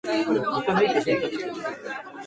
ｆｗｆ ぉ